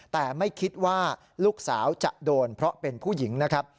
แต่ไม่คิดว่าลูกสาวจะโดนเพราะเป็นผู้หญิงนะครับ